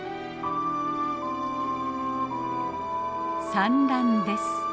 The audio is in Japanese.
産卵です。